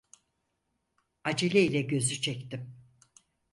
Acele ile gözü çektim.